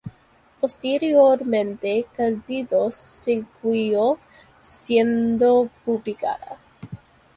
Posteriormente Cabildo siguió siendo publicada.